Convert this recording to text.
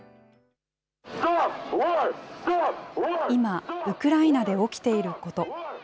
今、ウクライナで起きていること。